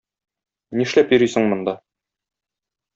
Нишләп йөрисең монда?